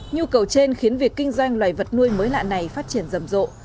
nhu cầu trên khiến việc kinh doanh loài vật nuôi mới lạ này phát triển rầm rộ